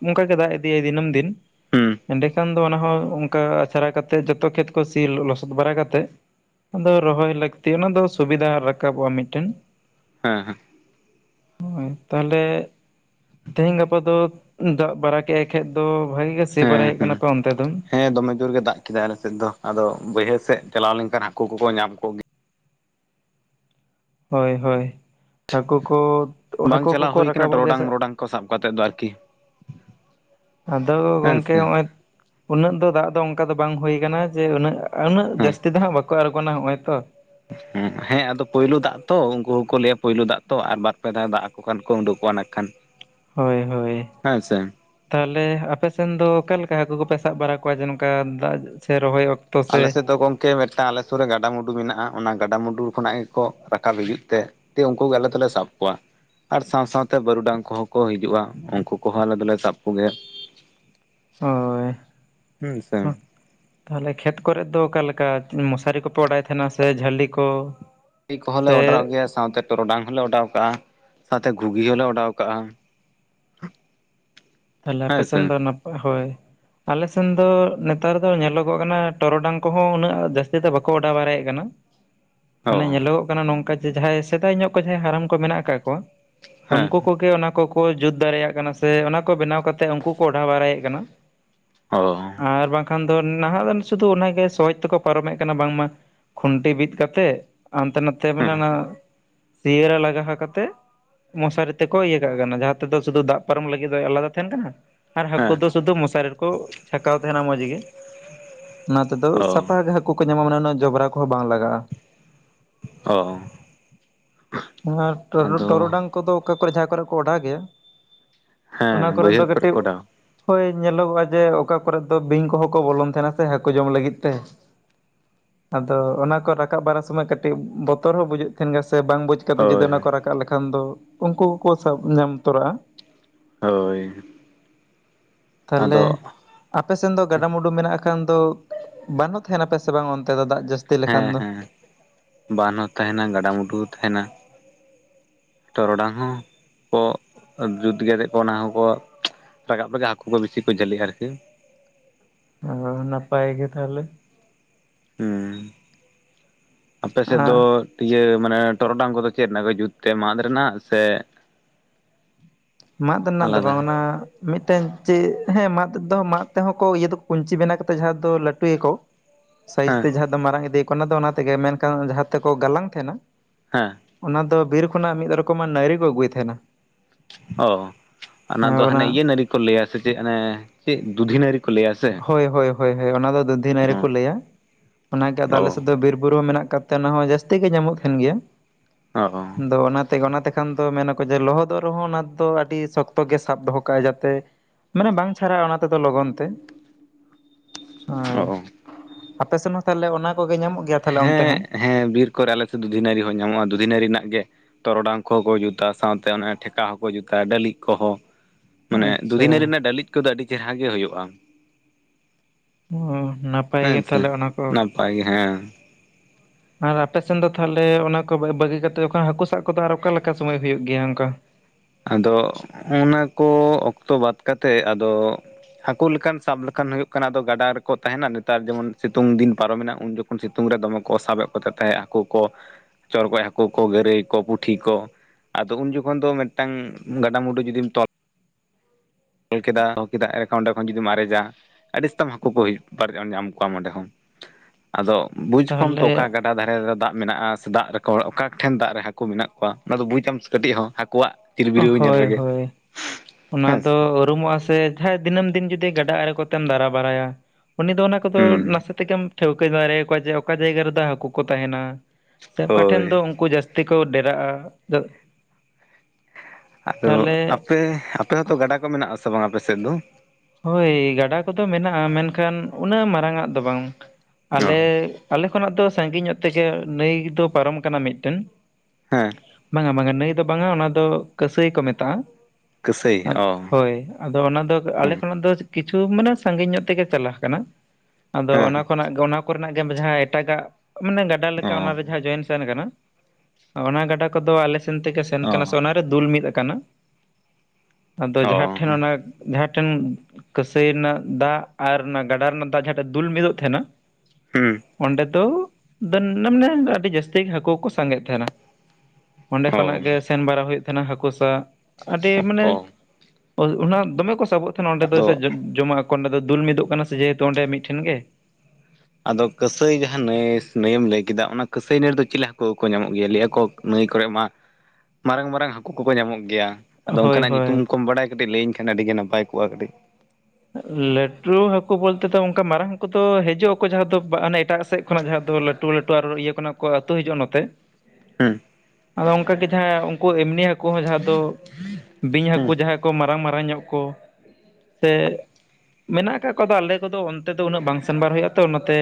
S1: ᱚᱱᱠᱟ ᱜᱮ ᱫᱟᱜ ᱫᱤᱱᱟᱹᱢ ᱫᱤᱱ
S2: ᱦᱮᱸ᱾
S1: ᱮᱸᱰᱮᱠᱷᱟᱱ ᱫᱚ ᱚᱱᱟ ᱦᱚᱸ ᱚᱱᱠᱟ ᱟᱪᱟᱨ ᱠᱟᱛᱮᱫ ᱡᱚᱛᱚ ᱠᱷᱮᱛ ᱠᱚ ᱥᱤ ᱞᱚᱥᱚᱫ ᱵᱟᱲᱟ ᱠᱟᱛᱮᱫ ᱟᱫᱚ ᱨᱚᱦᱚᱭ ᱞᱟᱹᱠᱛᱤ ᱚᱱᱟ ᱫᱚ ᱥᱩᱵᱤᱫᱷᱟ ᱨᱟᱠᱟᱵᱚᱜᱼᱟ ᱢᱤᱫᱴᱮᱱ
S2: ᱦᱮᱸ ᱦᱮᱸ
S1: ᱦᱳᱭ ᱛᱟᱦᱚᱞᱮ ᱛᱮᱦᱮᱧ ᱜᱟᱯᱟ ᱫᱚ ᱫᱟᱜ ᱵᱟᱲᱟ ᱮ ᱠᱷᱮᱛ ᱫᱚ ᱵᱷᱟᱹᱜᱤ ᱜᱮ ᱥᱤ
S2: ᱦᱮᱸ
S1: ᱵᱟᱲᱟᱭᱮᱫ
S2: ᱦᱩᱸ
S1: ᱠᱟᱱᱟ ᱯᱮ ᱚᱱᱛᱮ ᱫᱚ?
S2: ᱦᱮᱸ ᱫᱚᱢᱮ ᱡᱳᱨ ᱜᱮ ᱫᱟᱜ ᱠᱮᱫᱟ ᱟᱞᱮ ᱥᱮᱫ ᱫᱚ ᱟᱫᱚ ᱵᱟᱹᱭᱦᱟᱹᱲ ᱥᱮᱫ ᱪᱟᱞᱟᱣ ᱞᱮᱱᱠᱷᱟᱱ ᱦᱟᱹᱠᱩ ᱠᱚ ᱠᱚ ᱧᱟᱢ ᱠᱚ ᱜᱮᱭᱟ
S1: ᱦᱳᱭ ᱦᱳᱭ ᱦᱟᱹᱠᱩ ᱠᱚ
S2: ᱵᱟᱝ
S1: ᱦᱟᱹᱠᱩ
S2: ᱪᱟᱞᱟᱣ
S1: ᱠᱚᱠᱚ
S2: ᱦᱩᱭ ᱠᱟᱱᱟ
S1: ᱨᱟᱠᱟᱵᱚᱜ ᱜᱮᱭᱟ
S2: ᱴᱚᱨᱚᱰᱟᱝ
S1: ᱥᱮ
S2: ᱢᱚᱨᱚᱰᱟᱝ ᱠᱚ ᱥᱟᱵ ᱠᱟᱛᱮᱫ ᱫᱚ ᱟᱨᱠᱤ
S1: ᱟᱫᱚ
S2: ᱦᱮᱸ
S1: ᱜᱚᱝᱠᱮ
S2: ᱥᱮ
S1: ᱦᱚᱜᱚᱭ ᱩᱱᱟᱹᱜ ᱫᱚ ᱫᱟᱜ ᱫᱚ ᱚᱱᱠᱟ ᱫᱚ ᱵᱟᱝ ᱦᱩᱭ ᱟᱠᱟᱱᱟ ᱡᱮ ᱩᱱᱟᱹᱜ ᱩᱱᱟᱹᱜ
S2: ᱦᱮᱸ
S1: ᱡᱟᱹᱥᱛᱤ ᱫᱚ ᱦᱟᱸᱜ ᱵᱟᱠᱚ ᱟᱬᱜᱚᱱᱟ ᱱᱚᱜᱼᱚᱭ ᱛᱚ
S2: ᱦᱮᱸ ᱦᱮᱸ ᱟᱫᱚ ᱯᱳᱭᱞᱳ ᱫᱟᱜ ᱛᱚ ᱩᱱᱠᱩ ᱦᱚᱸᱠᱚ ᱞᱟᱹᱭᱟ ᱯᱳᱭᱞᱳ ᱫᱟᱜ ᱛᱚ ᱟᱨ ᱵᱟᱨ ᱯᱮ ᱫᱷᱟᱣ ᱫᱟᱜ ᱟᱠᱚ ᱠᱷᱟᱱ ᱠᱚ ᱩᱰᱩᱠᱚᱜᱼᱟ ᱠᱷᱟᱱ [unintelligible]
S1: ᱦᱳᱭ ᱦᱳᱭ
S2: ᱦᱮᱸ ᱥᱮ
S1: ᱛᱟᱦᱚᱞᱮ ᱟᱯᱮᱥᱱ ᱫᱚ ᱚᱠᱟ ᱞᱮᱠᱟ ᱦᱟᱹᱠᱩ ᱠᱚᱯᱮ ᱥᱟᱵ ᱵᱟᱲᱟ ᱠᱚᱣᱟ ᱡᱮ ᱱᱚᱝᱠᱟ ᱫᱟᱜ ᱥᱮ ᱨᱚᱦᱚᱭ ᱚᱠᱛᱚ ᱥᱮ
S2: ᱟᱞᱮ ᱥᱮᱫ ᱫᱚ ᱜᱚᱢ ᱠᱮ ᱢᱤᱫᱴᱟᱝ ᱟᱞᱮ ᱥᱩᱨ ᱨᱮ ᱜᱟᱰᱟᱼᱢᱩᱰᱩ ᱢᱮᱱᱟᱜᱼᱟ ᱚᱱᱟ ᱜᱟᱰᱟᱼᱢᱩᱰᱩ ᱠᱷᱚᱱᱟᱜ ᱜᱮᱠᱚ ᱨᱟᱠᱟᱵ ᱦᱤᱡᱩᱜ ᱛᱮ ᱫᱤᱭᱮ ᱩᱱᱠᱩ ᱟᱞᱮ ᱛᱮᱞᱮ ᱥᱟᱵ ᱠᱚᱣᱟ ᱟᱨ ᱥᱟᱶ ᱥᱟᱶ ᱛᱮ ᱵᱟᱹᱨᱩᱰᱟᱝ ᱠᱚᱦᱚᱸ ᱠᱚ ᱦᱤᱡᱩᱜᱼᱟ ᱩᱱᱠᱩ ᱠᱚᱦᱚᱸ ᱟᱞᱮ ᱫᱚᱞᱮ ᱥᱟᱵ ᱠᱚᱜᱮᱭᱟ
S1: ᱦᱳᱭ
S2: ᱦᱩᱸ ᱥᱮ
S1: ᱛᱟᱦᱚᱞᱮ ᱠᱷᱮᱛ ᱠᱚᱨᱮ ᱫᱚ ᱚᱠᱟᱞᱮᱠᱟ ᱢᱚᱥᱟᱨᱤ ᱠᱚ ᱯᱮ ᱚᱰᱟᱭ ᱛᱟᱦᱮᱱᱟ ᱥᱮ ᱡᱷᱟᱹᱞᱤ ᱠᱚ
S2: ᱛᱤ ᱠᱚᱦᱚᱸ ᱞᱮ
S1: ᱥᱮ
S2: ᱚᱰᱟᱣ ᱜᱮᱭᱟ ᱥᱟᱶᱛᱮ ᱴᱚᱨᱚᱰᱟᱝ ᱦᱚᱞᱮ ᱚᱰᱟᱣ ᱠᱟᱜᱼᱟ ᱥᱟᱶᱛᱮ ᱜᱷᱩᱜᱤ ᱦᱚᱞᱮ ᱚᱰᱟᱣ ᱠᱟᱜᱼᱟ [inaudible]
S1: ᱛᱟᱦᱚᱞᱮ ᱟᱯᱮᱥᱮᱱ
S2: ᱥᱮ
S1: ᱫᱚ ᱱᱟᱯᱟᱭ ᱦᱳᱭ ᱟᱞᱮ ᱥᱮᱱ ᱫᱚ ᱱᱮᱛᱟᱨ ᱫᱚ ᱧᱮᱞᱚᱜᱚᱜ ᱠᱟᱱᱟ ᱴᱚᱨᱚᱰᱟᱝ ᱠᱚᱦᱚᱸ ᱩᱱᱟᱹᱜ ᱡᱟᱹᱥᱛᱤ ᱫᱚ ᱵᱟᱠᱚ ᱚᱰᱟᱣ ᱵᱟᱲᱟᱭᱮᱫ ᱠᱟᱱᱟ
S2: [unintelligible]
S1: ᱢᱟᱱᱮ ᱧᱮᱞᱚᱜᱚᱜ ᱠᱟᱱᱟ ᱱᱚᱝᱠᱟ ᱡᱮ ᱡᱟᱦᱟᱸᱭ ᱥᱮᱫᱟᱭ ᱧᱚᱜ ᱠᱚ ᱡᱟᱸᱦᱟᱸᱭ ᱦᱟᱲᱟᱢ ᱠᱚ ᱢᱮᱱᱟᱜ ᱟᱠᱟᱫ ᱠᱚᱣᱟ
S2: ᱦᱮᱸ
S1: ᱩᱱᱠᱩ ᱠᱚ ᱜᱮ ᱚᱱᱟ ᱠᱚ ᱠᱚ ᱡᱩᱛ ᱫᱟᱲᱮᱭᱟᱜ ᱠᱟᱱᱟ ᱥᱮ ᱚᱱᱟ ᱠᱚ ᱵᱮᱱᱟᱣ ᱠᱟᱛᱮᱫ ᱩᱱᱠᱩ ᱠᱚ ᱚᱰᱟᱣ ᱵᱟᱲᱟᱭᱮᱫ ᱠᱟᱱᱟ
S2: ᱚ
S1: ᱟᱨ ᱵᱟᱝᱠᱷᱟᱱ ᱫᱚ ᱱᱟᱦᱟᱜ ᱫᱚ ᱥᱩᱫᱷᱩ ᱚᱱᱟ ᱜᱮ ᱥᱚᱦᱚᱡᱽ ᱛᱮᱠᱚ ᱯᱟᱨᱚᱢᱮᱜ ᱠᱟᱱᱟ ᱵᱟᱝᱢᱟ ᱠᱷᱩᱱᱴᱤ ᱵᱤᱫᱽ ᱠᱛᱮᱫ ᱦᱟᱱᱛᱮ ᱱᱟᱛᱮ
S2: ᱦᱮᱸ
S1: ᱢᱟᱱᱮ ᱚᱱᱟ ᱥᱤᱭᱟᱹ ᱨᱮ ᱞᱟᱜᱟᱣ ᱠᱟᱛᱮᱜ ᱢᱚᱥᱟᱨᱤ ᱛᱮᱠᱚ ᱤᱭᱟᱹ ᱠᱟᱜ ᱠᱟᱱᱟ ᱡᱟᱦᱟᱸ ᱛᱮᱫᱚ ᱥᱩᱫᱩ ᱫᱟᱜ ᱯᱟᱨᱚᱢ ᱞᱟᱹᱜᱤᱫ ᱟᱞᱟᱫᱟ ᱛᱟᱦᱮᱱ ᱠᱟᱱᱟ ᱟᱨ ᱦᱟᱹᱠᱩ
S2: ᱦᱮᱸ
S1: ᱫᱚ ᱥᱩᱫᱷᱩ ᱢᱚᱥᱟᱨᱤ ᱨᱮᱠᱚ ᱪᱷᱟᱠᱟᱣ ᱛᱟᱦᱮᱱᱟ ᱢᱚᱸᱡᱽ ᱜᱮ ᱚᱱᱟ ᱛᱮᱫᱚ
S2: ᱚ
S1: ᱥᱟᱯᱷᱟ ᱜᱮ ᱦᱟᱠᱩ ᱠᱚ ᱧᱟᱢᱟ ᱢᱟᱱᱮ ᱩᱱᱟᱹᱜ ᱡᱚᱵᱽᱨᱟ ᱠᱚᱦᱚᱸ ᱵᱟᱝ ᱞᱟᱜᱟᱜᱼᱟ
S2: ᱚ
S1: ᱴᱚᱨᱚ
S2: ᱟᱫᱚ
S1: ᱴᱚᱨᱚᱰᱟᱝ ᱫᱚ ᱚᱠᱟ ᱠᱚᱨᱮ ᱡᱟᱦᱟᱸ ᱠᱚᱨᱮ ᱠᱚ ᱚᱰᱟᱣ ᱜᱮᱭᱟ ᱚᱱᱟ
S2: ᱦᱮᱸ
S1: ᱠᱚᱨᱮᱫ ᱫᱚ
S2: ᱵᱟᱹᱭᱦᱟᱹᱲ ᱠᱚᱨᱮ
S1: ᱠᱟᱹᱴᱤᱡ
S2: ᱠᱚ ᱚᱰᱟᱣ
S1: ᱦᱳᱭ ᱧᱮᱞᱚᱜᱚᱜᱼᱟ ᱡᱮ ᱚᱠᱟ ᱠᱚᱨᱮᱫ ᱫᱚ ᱵᱤᱧ ᱠᱚᱦᱚᱸ ᱠᱚ ᱵᱚᱞᱚᱱ ᱛᱟᱦᱮᱱᱟ ᱥᱮ ᱦᱟᱹᱠᱩ ᱡᱚᱢ ᱞᱟᱹᱜᱤᱫ ᱛᱮ ᱟᱫᱚ ᱚᱱᱟ ᱠᱚ ᱨᱟᱠᱟᱵ ᱵᱟᱲᱟ ᱥᱚᱢᱚᱭ ᱠᱟᱹᱴᱤᱡ ᱵᱚᱛᱚᱨ ᱦᱚᱸ ᱵᱩᱡᱩᱜ ᱛᱟᱦᱮᱱ ᱜᱮᱭᱟ ᱥᱮ ᱵᱟᱝ ᱵᱩᱡ ᱠᱟᱛᱮ ᱡᱩᱫᱤ
S2: ᱦᱳᱭ
S1: ᱚᱱᱟ ᱠᱚ ᱨᱟᱠᱟᱵ ᱞᱮᱠᱷᱟᱱ ᱫᱚ ᱩᱱᱠᱩ ᱠᱚ ᱠᱚ ᱥᱟᱵ ᱧᱟᱢ ᱛᱚᱨᱟᱜᱼᱟ
S2: ᱦᱳᱭ ᱟᱫᱚ
S1: ᱛᱟᱦᱚᱞᱮ ᱟᱯᱮᱥᱮᱱ ᱫᱚ ᱜᱟᱰᱟ ᱢᱩᱰᱩ ᱢᱮᱱᱟᱜ ᱠᱷᱟᱱ ᱫᱚ ᱵᱟᱹᱱᱩᱜ ᱛᱟᱦᱮᱱᱟ ᱟᱯᱮ ᱥᱮ ᱵᱟᱝ ᱚᱱᱛᱮ ᱫᱚ ᱫᱟᱜ ᱡᱟᱹᱥᱛᱤ
S2: ᱦᱮᱸ
S1: ᱞᱮᱠᱷᱟᱱ ᱫᱚ?
S2: ᱦᱮᱸ ᱵᱟᱱ ᱦᱚᱸ ᱛᱟᱦᱮᱱᱟ ᱜᱟᱰᱟ ᱢᱩᱰᱩ ᱦᱚᱸ ᱛᱟᱦᱮᱱᱟ ᱴᱚᱨᱚᱰᱟᱝ ᱦᱚᱸ ᱠᱚ ᱡᱩᱛ ᱜᱮᱫᱮᱫ ᱠᱚ ᱚᱱᱟ ᱦᱚᱸᱠᱚ ᱨᱟᱠᱟᱵ ᱠᱚ ᱦᱟᱹᱠᱳ ᱠᱚ ᱵᱤᱥᱤ ᱠᱚ ᱡᱷᱟᱹᱞᱤᱜᱼᱟ ᱟᱨᱠᱤ
S1: ᱚ ᱱᱟᱯᱟᱭ ᱜᱮ ᱛᱟᱦᱚᱞᱮ
S2: ᱦᱩᱸ ᱟᱯᱮᱥᱮᱫ ᱫᱚ
S1: ᱟᱨ
S2: ᱤᱭᱟᱹ ᱢᱟᱱᱮ ᱴᱚᱨᱚᱴᱟᱝ ᱠᱚᱫᱚ ᱪᱮᱫ ᱨᱮᱱᱟᱜ ᱠᱚ ᱡᱩᱛ ᱛᱮ ᱢᱟᱫ ᱨᱮᱱᱟᱜ ᱥᱮ
S1: ᱢᱟᱫ ᱨᱮᱱᱟᱜ ᱫᱚ
S2: ᱟᱞᱟᱫᱟ
S1: ᱵᱟᱝ ᱚᱱᱟ ᱢᱤᱫᱴᱮᱱ ᱪᱮᱫ ᱦᱮᱸ ᱢᱟᱫ ᱫᱚ ᱢᱟᱫ ᱛᱮᱦᱚ ᱠᱚ ᱤᱭᱟᱹ ᱫᱚ ᱠᱩᱧᱪᱤ ᱵᱮᱱᱟᱣ ᱠᱟᱛᱮ ᱡᱟᱦᱟᱸ ᱫᱚ ᱞᱟᱹᱴᱩᱭᱟᱠᱚ ᱥᱟᱭᱤᱡ
S2: ᱦᱮᱸ
S1: ᱛᱮ ᱡᱟᱦᱟᱸ ᱢᱟᱨᱟᱝ ᱤᱫᱤ ᱭᱟᱠᱚ ᱚᱱᱟ ᱫᱚ ᱛᱮᱜᱮ ᱢᱮᱱᱠᱷᱟᱱ ᱡᱟᱦᱟᱸ ᱛᱮᱠᱚ ᱜᱟᱞᱟᱝ ᱛᱟᱦᱮᱱᱟ
S2: ᱦᱮ
S1: ᱚᱱᱟ ᱫᱚ ᱵᱤᱨ ᱠᱷᱚᱱᱟᱜ ᱢᱤᱫ ᱨᱚᱠᱚᱢᱟᱜ ᱱᱟᱹᱨᱤ ᱠᱚ ᱟᱹᱜᱩᱭ ᱛᱟᱦᱮᱱᱟ
S2: ᱚ ᱚᱱᱟ ᱫᱚ ᱦᱟᱱᱮ ᱤᱭᱟᱹ ᱱᱟᱹᱨᱤ ᱠᱚ ᱞᱟᱹᱭᱟ ᱥᱮ ᱪᱮᱫ ᱦᱚᱱᱮ ᱪᱮᱫ ᱫᱩᱫᱷᱤ ᱱᱟᱹᱲᱤ ᱠᱚ ᱞᱟᱹᱭᱟ ᱥᱮ
S1: ᱦᱳᱭ ᱦᱳᱭ ᱦᱳᱭ ᱦᱚᱭ ᱚᱱᱟ ᱫᱚ ᱫᱩᱫᱷᱤᱱᱟᱹᱨᱤ ᱠᱚ ᱞᱟᱹᱭᱟ ᱚᱱᱟᱜᱮ ᱟᱫᱚ
S2: ᱚ
S1: ᱟᱞᱮᱥᱮᱫ ᱫᱚ
S2: ᱚ
S1: ᱵᱤᱨ ᱵᱩᱨᱩ ᱢᱮᱱᱟᱜ ᱟᱠᱟᱫ ᱚᱱᱟ ᱦᱚᱸ ᱡᱟᱹᱥᱛᱤ ᱜᱮ ᱧᱟᱢᱚᱜ ᱛᱟᱦᱮᱱ ᱜᱮᱭᱟ ᱟᱫᱚ
S2: ᱚ
S1: ᱚᱱᱟ ᱛᱮᱜᱮ ᱚᱱᱟ ᱛᱮᱠᱷᱟᱱ ᱫᱚ ᱢᱮᱱᱟᱠᱚ ᱡᱮ ᱞᱚᱦᱚᱫᱚᱜ ᱨᱮᱦᱚᱸ ᱚᱱᱟ ᱫᱚ ᱟᱹᱰᱤ ᱥᱚᱠᱛᱚ ᱜᱮ ᱥᱟᱵ ᱫᱚᱦᱚ ᱠᱟᱜᱼᱟᱭ ᱡᱟᱛᱮ ᱢᱟᱱᱮ ᱵᱟᱝ ᱪᱷᱟᱨᱟᱜᱼᱟ ᱚᱱᱟ ᱛᱮᱫᱚ ᱞᱚᱜᱚᱱ ᱛᱮ ᱦᱳᱭ
S2: [unintelligible] ᱚ
S1: ᱟᱯᱮ ᱥᱮᱱ ᱦᱚᱸ ᱛᱟᱦᱚᱞᱮ ᱚᱱᱟ ᱠᱚᱜᱮ ᱧᱟᱢᱚᱜ ᱜᱮᱭᱟ ᱛᱟᱦᱚᱞᱮ ᱚᱱᱛᱮ
S2: ᱦᱮᱸ
S1: ᱦᱚᱸ
S2: ᱦᱮᱸ ᱵᱤᱨ ᱠᱚᱨᱮ ᱟᱞᱮᱥᱮᱫ ᱫᱚ ᱫᱩᱫᱷᱤᱱᱟᱹᱲᱤ ᱦᱚᱸ ᱧᱟᱢᱚᱜ-ᱟ ᱫᱷᱩᱫᱷᱤ ᱱᱟᱹᱲᱤ ᱨᱮᱱᱟᱜ ᱜᱮ ᱴᱚᱨᱚᱰᱟᱝ ᱠᱚᱦᱚᱸ ᱠᱚ ᱡᱩᱛᱟ ᱥᱟᱶᱛᱮ ᱚᱱᱮ ᱴᱷᱮᱠᱟ ᱦᱚᱸ ᱠᱚ ᱡᱩᱛᱟ ᱰᱟᱹᱞᱤᱜ ᱠᱚᱦᱚ ᱢᱟᱱᱮ ᱫᱩᱫᱷᱤᱱᱟᱹᱨᱤ
S1: ᱟᱪᱪᱷᱟ
S2: ᱨᱮᱭᱟᱜ ᱰᱟᱹᱞᱤᱡ ᱠᱚᱫᱚ ᱟᱹᱰᱤ ᱪᱮᱦᱨᱟ ᱜᱮ ᱦᱩᱭᱩᱜ-ᱟ
S1: ᱱᱟᱯᱟᱭ ᱜᱮ
S2: ᱦᱮᱸᱥᱮ
S1: ᱛᱟᱦᱚᱞᱮ ᱚᱱᱟ ᱠᱚ
S2: ᱱᱟᱯᱟᱭ ᱜᱮ ᱦᱮᱸ
S1: ᱟᱨ ᱟᱯᱮᱥᱮᱱ ᱫᱚ ᱛᱟᱦᱚᱞᱮ ᱚᱱᱟ ᱠᱚ ᱵᱟᱹᱜᱤ ᱠᱟᱛᱮ ᱦᱟᱹᱠᱩ ᱥᱟᱵ ᱠᱚᱫᱚ ᱟᱨ ᱚᱠᱟ ᱞᱮᱠᱟ ᱥᱚᱢᱚᱭ ᱦᱩᱭᱩᱜ ᱜᱮᱭᱟ ᱚᱱᱠᱟ
S2: ᱟᱫᱚ ᱚᱱᱟᱠᱚ ᱚᱠᱛᱚ ᱵᱟᱫ ᱠᱟᱛᱮᱫ ᱟᱫᱚ ᱦᱟᱹᱠᱩ ᱞᱮᱠᱟᱱ ᱥᱟᱵ ᱞᱮᱠᱷᱟᱱ ᱦᱩᱭᱩᱜ ᱠᱟᱱᱟ ᱟᱫᱚ ᱜᱟᱰᱟ ᱨᱮᱠᱚ ᱛᱟᱦᱮᱱᱟ ᱱᱮᱛᱟᱨ ᱡᱮᱢᱚᱱ ᱥᱤᱛᱩᱝ ᱫᱤᱱ ᱯᱟᱨᱚᱢᱮᱱᱟ ᱩᱱ ᱡᱚᱠᱷᱚᱱ ᱥᱤᱛᱩᱝ ᱨᱮ ᱫᱚᱢᱮ ᱠᱚ ᱥᱟᱵᱮᱫ ᱠᱚᱛᱮ ᱛᱟᱦᱮ ᱦᱟᱹᱠᱩ ᱠᱚ ᱪᱚᱨᱠᱚᱡ ᱦᱟᱹᱠᱩ ᱠᱚ, ᱜᱟᱹᱲᱟᱹᱭ ᱠᱚ, ᱯᱩᱴᱷᱤ ᱠᱚ, ᱟᱫᱚ ᱩᱱ ᱡᱚᱠᱷᱚᱱ ᱫᱚ, ᱢᱤᱫᱴᱟᱝ ᱜᱟᱰᱟ ᱢᱩᱰᱩ ᱡᱩᱫᱤᱢ ᱛᱚ ᱛᱚᱞ ᱠᱮᱫᱟ ᱛᱚᱞ ᱠᱮᱫᱟ ᱮᱰᱮ ᱠᱷᱚᱱ ᱡᱩᱫᱤ ᱟᱨᱮᱡᱟ, ᱟᱹᱰᱤ ᱟᱥᱟᱛᱟᱢ ᱦᱟᱹᱠᱩ ᱠᱚ ᱧᱟᱢ ᱠᱚᱣᱟ ᱚᱸᱰᱮ ᱦᱚᱸ ᱟᱫᱚ ᱵᱩᱡ ᱠᱚᱢ ᱛᱚ
S1: ᱛᱟᱦᱚᱞᱮ
S2: ᱚᱠᱟ ᱫᱷᱟᱨᱟ ᱫᱷᱟᱨᱮ ᱨᱮ ᱫᱟᱜ ᱢᱮᱱᱟᱜ-ᱟ ᱥᱮ ᱫᱟᱜ ᱨᱮᱠᱚ ᱚᱠᱟ ᱴᱷᱮᱱ ᱫᱟᱜ ᱨᱮ ᱦᱟᱹᱠᱩ ᱢᱮᱱᱟᱜ ᱠᱚᱣᱟ ᱚᱱᱟ ᱫᱚ ᱵᱩ ᱪᱟᱢ ᱠᱟᱹᱴᱤᱡ ᱦᱚ, ᱦᱟᱹᱠᱩᱣᱟᱜ ᱪᱤᱨᱵᱤᱨᱟᱹᱣ ᱧᱮᱞ
S1: ᱦᱳᱭ
S2: ᱨᱮᱜᱮ
S1: ᱦᱳᱭ ᱚᱱᱟ
S2: ᱦᱮᱸ
S1: ᱫᱚ
S2: ᱥᱮ
S1: ᱩᱨᱩᱢᱚᱜ-ᱟ ᱥᱮ ᱡᱟᱦᱟᱭ ᱫᱤᱱᱟᱹᱢ ᱫᱤᱱ ᱡᱩᱫᱤ ᱜᱟᱰᱟ ᱮᱲᱮ ᱠᱚᱛᱮᱢ ᱫᱟᱨᱟ ᱵᱟᱲᱟᱭᱟ, ᱩᱱᱤ ᱫᱚ ᱚᱱᱟ ᱠᱚᱫᱚ
S2: ᱦᱩᱸ
S1: ᱱᱟᱥᱮ ᱛᱮᱜᱮᱢ ᱴᱷᱟᱹᱣᱠᱟᱹ ᱫᱟᱨᱮᱭᱟ ᱠᱚᱣᱟ ᱡᱮ ᱚᱠᱟ ᱡᱟᱭᱜᱟ ᱨᱮᱫᱚ ᱦᱟᱹᱠᱩ ᱠᱚ ᱛᱟᱦᱮᱱᱟ, ᱥᱮ ᱚᱠᱟ ᱴᱷᱮᱱ ᱫᱚ
S2: ᱦᱳᱭ
S1: ᱩᱱᱠᱩ ᱡᱟᱹᱥ ᱛᱤ ᱠᱚ ᱰᱮᱨᱟᱜ-ᱟ᱾
S2: ᱟᱫᱚ
S1: ᱛᱟᱦᱚᱞᱮ
S2: ᱟᱯᱮ, ᱟᱯᱮ ᱦᱚᱛᱚ ᱜᱟᱰᱟ ᱠᱚ ᱢᱮᱱᱟᱜ ᱟᱥᱮ ᱵᱟᱝ ᱟᱯᱮ ᱥᱮᱫ ᱫᱚ?
S1: ᱦᱳᱭ ᱜᱟᱰᱟ ᱠᱚᱫᱚ ᱢᱮᱱᱟᱜ-ᱟ ᱢᱮᱱᱠᱷᱟᱱ ᱩᱱᱟᱹᱜ ᱢᱟᱨᱟᱝ ᱟᱜ ᱫᱚ ᱵᱟᱝ
S2: ᱚ
S1: ᱟᱞᱮ ᱟᱞᱮ ᱠᱷᱚᱱᱟᱜ ᱫᱚ ᱥᱟᱺᱜᱤᱧ ᱧᱚᱜ ᱛᱮᱜᱮ ᱱᱟᱹᱭ ᱫᱚ ᱯᱟᱨᱚᱢ ᱟᱠᱟᱱᱟ ᱢᱤᱫᱴᱮᱱ᱾
S2: ᱦᱮᱸ
S1: ᱵᱟᱝᱟ ᱵᱟᱝᱟ ᱱᱟᱹᱭ ᱫᱚ ᱵᱟᱝᱟ ᱚᱱᱟ ᱫᱚ ᱠᱟᱹᱥᱟᱹᱭ ᱠᱚ ᱢᱮᱛᱟᱜ-ᱟ
S2: ᱠᱟᱹᱥᱟᱹᱭ ᱚ
S1: ᱦᱳᱭ᱾ ᱟᱫᱚ ᱚᱱᱟ ᱫᱚ ᱟᱞᱮ
S2: ᱦᱮᱸ
S1: ᱠᱷᱚᱱᱟᱜ ᱫᱚ ᱠᱤᱪᱷᱩ ᱢᱟᱱᱮ ᱥᱟᱺᱜᱤᱧ ᱧᱚᱜ ᱛᱮᱜᱮ ᱪᱟᱞᱟ ᱠᱟᱱᱟ᱾ ᱟᱫᱚ ᱚᱱᱟ
S2: ᱦᱮᱸ
S1: ᱠᱚᱱᱟᱜ ᱚᱱᱟ ᱠᱚᱨᱮᱱᱟᱜ ᱜᱮ ᱡᱟᱦᱟᱸ ᱮᱴᱟᱜᱟᱜ ᱢᱟᱱᱮ ᱜᱟᱰᱟ ᱞᱮᱠᱟ
S2: ᱚ
S1: ᱚᱱᱟᱨᱮ ᱡᱟᱦᱟᱸ ᱡᱚᱭᱮᱱᱴ ᱥᱮᱱ ᱠᱟᱱᱟ ᱚᱱᱟ ᱜᱟᱰᱟ ᱠᱚᱫᱚ ᱟᱞᱮ ᱥᱮᱱ ᱛᱮᱜᱮ ᱥᱮᱱ
S2: ᱚ
S1: ᱠᱟᱱᱟ ᱥᱮ ᱚᱱᱟᱨᱮ ᱫᱩᱞ ᱢᱤᱫ ᱟᱠᱟᱱᱟ, ᱟᱫᱚ
S2: ᱚ
S1: ᱡᱟᱦᱟᱸ ᱴᱷᱮᱱ ᱚᱱᱟ ᱡᱟᱦᱟᱸ ᱴᱷᱮᱱ-ᱼ ᱠᱟᱹᱥᱟᱹᱭ ᱨᱮᱱᱟᱜ ᱫᱟᱜ ᱟᱨ ᱚᱱᱟ ᱜᱟᱰᱟ ᱨᱮᱱᱟᱜ ᱫᱟᱜ ᱡᱟᱦᱟ ᱴᱟᱜ ᱫᱩᱞ ᱢᱤᱫᱚᱜ ᱛᱟᱦᱮᱱᱟ᱾
S2: ᱦᱮᱸ
S1: ᱚᱸᱰᱮ ᱫᱚ ᱫᱟᱹᱱ ᱢᱟᱱᱮ ᱟᱹᱰᱤ ᱡᱟᱹᱥᱛᱤ ᱦᱟᱹᱠᱩ ᱠᱚᱠᱚ ᱥᱟᱸᱜᱮᱜ ᱛᱟᱦᱮᱱᱟ᱾ ᱚᱸᱰᱮ
S2: ᱚ
S1: ᱠᱷᱚᱱᱟᱜ ᱜᱮ ᱥᱮᱱ ᱵᱟᱲᱟ ᱦᱩᱭᱩᱜ ᱛᱟᱦᱮᱱᱟ ᱦᱟᱹᱠᱩ ᱥᱟᱵ, ᱟᱹᱰᱤ ᱢᱟᱱᱮ
S2: ᱚ
S1: ᱦᱳᱭ ᱚᱱᱟ ᱫᱚᱢᱮ ᱠᱚ ᱥᱟᱵᱚᱜ ᱛᱟᱦᱮᱱᱟ ᱚᱸᱰᱮ ᱫᱚ ᱥᱮ
S2: ᱟᱫᱚ
S1: ᱡᱚᱢᱟᱜ ᱚᱸᱰᱮ ᱫᱚ ᱫᱩᱞ ᱢᱤᱫᱚᱜ ᱠᱟᱱᱟ ᱥᱮ ᱡᱮᱦᱮᱛᱩ ᱚᱸᱰᱮ ᱢᱤᱫᱴᱷᱮᱱ ᱜᱮ᱾
S2: ᱟᱫᱚ ᱠᱟᱹᱥᱟᱹᱭ ᱡᱟᱦᱟᱸ ᱱᱟᱹᱭ ᱱᱟᱹᱭᱮᱢ ᱞᱟᱹᱭ ᱠᱮᱫᱟ ᱚᱱᱟ ᱠᱟᱹᱥᱟᱹᱭ ᱱᱟᱹᱭ ᱨᱮ ᱫᱚ ᱪᱤᱞᱤ ᱦᱟᱹᱠᱩ ᱠᱚ ᱧᱟᱢᱚᱜ ᱜᱮᱭᱟ? ᱞᱟᱹᱭᱟ ᱠᱚ ᱱᱟᱹᱭ ᱠᱚᱨᱮ ᱢᱟ ᱢᱟᱨᱟᱝ ᱢᱟᱨᱟᱝ ᱦᱟᱹᱠᱩ ᱠᱚᱠᱚ ᱧᱟᱢᱚᱜ ᱜᱮᱭᱟ᱾ ᱟᱫᱚ
S1: ᱦᱳᱭ
S2: ᱚᱱᱠᱟᱱᱟᱜ
S1: ᱦᱳᱭ
S2: ᱧᱩᱛᱩᱢ ᱠᱚᱢ ᱵᱟᱲᱟᱭ ᱠᱟᱹᱴᱤᱡ ᱞᱟᱹᱭᱟᱹᱧ ᱠᱷᱟᱱ ᱟᱹᱰᱤ ᱜᱮ ᱱᱟᱯᱟᱭ ᱠᱚᱜ-ᱟ ᱠᱟᱹᱴᱤᱡ᱾
S1: ᱞᱟᱹᱴᱩ ᱦᱟᱹᱠᱩ ᱵᱚᱞᱛᱮ ᱫᱚ ᱚᱱᱠᱟ ᱢᱟᱨᱟᱝ ᱦᱟᱹᱠᱩ ᱫᱚ ᱦᱤᱡᱩᱜ ᱟᱠᱚ ᱡᱟᱦᱟᱸ ᱫᱚ ᱮᱴᱟᱜ ᱥᱮᱫ ᱠᱷᱚᱱᱟᱜ ᱡᱟᱦᱟᱸ ᱫᱚ ᱞᱟᱹᱴᱩ ᱞᱟᱹᱴᱩ ᱟᱨ ᱤᱭᱟᱹ ᱠᱷᱚᱱᱟᱜ ᱠᱚ ᱟᱹᱛᱩ ᱦᱤᱡᱩᱜᱼᱟ ᱱᱚᱛᱮ᱾
S2: ᱦᱮᱸ
S1: ᱚᱫᱚ ᱚᱱᱠᱟᱜᱮ ᱡᱟᱦᱟᱸ ᱩᱱᱠᱩ ᱮᱢᱱᱤ ᱦᱟᱠᱩ ᱦᱚᱸ ᱡᱟᱦᱟᱸ ᱫᱚ ᱵᱤᱧ ᱦᱟᱠᱩ
S2: ᱦᱩᱸ
S1: ᱡᱟᱦᱟᱸᱭ ᱠᱚ ᱢᱟᱨᱟᱝ ᱢᱟᱨᱟᱝ ᱧᱚᱜ ᱠᱚ᱾ ᱥᱮ ᱢᱮᱱᱟᱜ ᱟᱠᱟᱫ ᱠᱚᱣᱟᱫᱚ ᱟᱞᱮ ᱠᱚᱫᱚ ᱚᱱᱛᱮ ᱫᱚ ᱩᱱᱟᱹᱜ ᱵᱟᱝ ᱥᱮᱱᱵᱟᱨ ᱦᱩᱭᱩᱜᱼᱟ ᱛᱚ ᱱᱚᱛᱮ